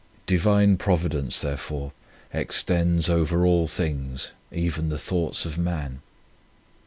Divine Providence, therefore, extends over all things, even the thoughts of man.